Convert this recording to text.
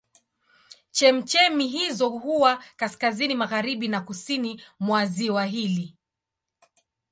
Chemchemi hizo huwa kaskazini magharibi na kusini mwa ziwa hili.